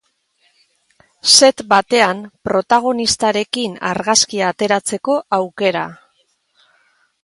Set batean protagonistarekin argazkia ateratzeko aukera.